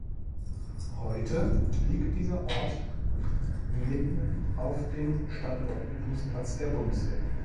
Heute liegt dieser Ort mitten auf dem Standortübungsplatz der Bundeswehr.